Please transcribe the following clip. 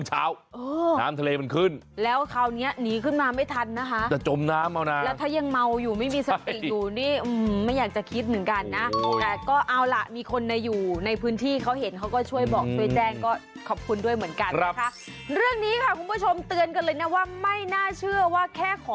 จะเป็นเหตุให้เกิดการทะเลาะวิบาสถึงขั้นเลือกตกยามออกได้เลยค่ะ